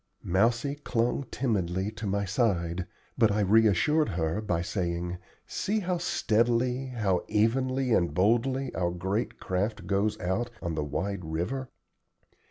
Mousie clung timidly to my side, but I reassured her by saying: "See how steadily, how evenly and boldly, our great craft goes out on the wide river.